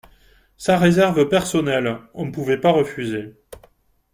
sa réserve personnelle. On pouvait pas refuser.